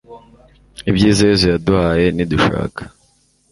ibyiza yezu yaduhaye nidushaka